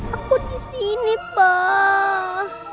aku disini pak